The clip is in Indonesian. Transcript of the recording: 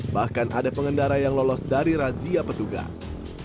bahkan ada pengendara yang lolos dari razia petugas